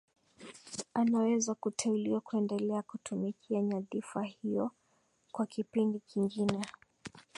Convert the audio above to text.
anaweza kuteuliwa kuendelea kutumikia nyadhifa hiyo kwa kipindi kingine